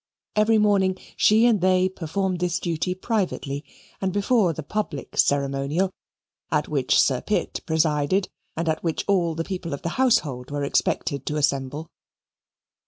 Every morning she and they performed this duty privately, and before the public ceremonial at which Sir Pitt presided and at which all the people of the household were expected to assemble.